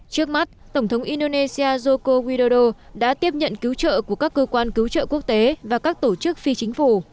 trước mắt tổng thống indonesia joko widodo đã tiếp nhận cứu trợ của các cơ quan cứu trợ quốc tế và các tổ chức phi chính phủ